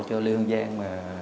cho lê hương giang